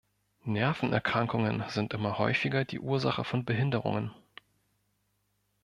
Nervenerkrankungen sind immer häufiger die Ursache von Behinderungen.